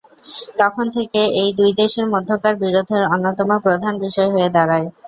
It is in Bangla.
তখন থেকে এটি দুই দেশের মধ্যকার বিরোধের অন্যতম প্রধান বিষয় হয়ে দাঁড়ায়।